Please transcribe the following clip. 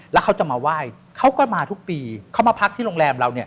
แล้วเขาจะมาไหว้เขาก็มาทุกปีเขามาพักที่โรงแรมเราเนี่ย